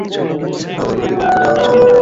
ব্যবহারকারী পরীক্ষকের সংকট কি আদৌও সৃষ্টি হয়েছিলো?